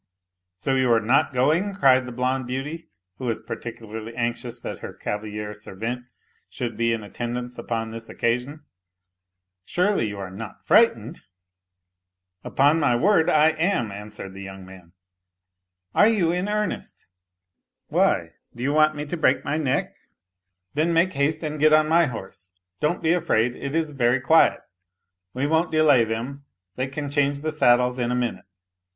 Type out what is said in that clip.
" So you are not going ?" cried the blonde beauty, who was particularly anxious that her cavaliere servente should be in attendance on this occasion. " Surely you are not frightened ?"" Upon my word I am," answered the young man. " Are you in earnest ?"" Why, do you want me to break my neck ?"" Then make haste and get on my horse ; don't|be afraid, it is very quiet. We won't delay them, they can change the saddles in a minute